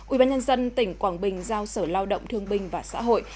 ủy ban nhân dân tỉnh quảng bình giao sở lao động thương binh và xã hội